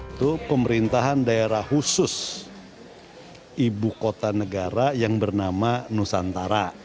itu pemerintahan daerah khusus ibu kota negara yang bernama nusantara